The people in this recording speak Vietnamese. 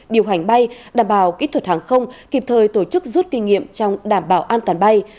điều hành bay đảm bảo kỹ thuật hàng không kịp thời tổ chức rút kinh nghiệm trong đảm bảo an toàn bay